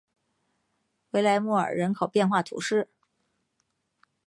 维莱莫尔人口变化图示